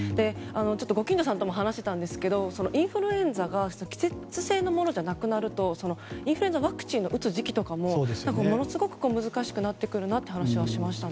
ご近所さんとも話していたんですがインフルエンザが季節性のものじゃなくなるとインフルエンザワクチンの打つ時期とかもものすごく難しくなってくるなと話をしました。